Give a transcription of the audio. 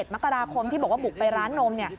มกราคมที่บอกว่าบุกไปร้านนม